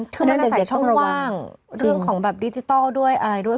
คือมันอาศัยช่องว่างเรื่องของแบบดิจิทัลด้วยอะไรด้วย